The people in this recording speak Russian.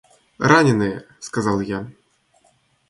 — Раненые, — сказал я.